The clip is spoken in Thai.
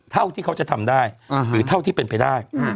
เท่าที่เขาจะทำได้หรือเท่าที่เป็นไปได้